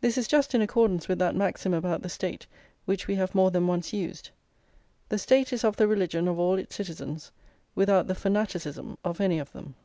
This is just in accordance with that maxim about the State which we have more than once used: The State is of the religion of all its citizens, without the fanaticism of any of them.